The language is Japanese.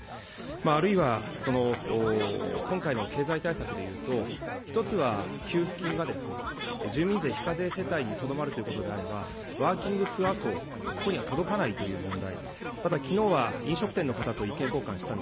あるいは、今回の経済対策でいうと、一つは給付金が住民税非課税世帯にとどまるということであれば、ワーキングプア層、ここには届かないという問題。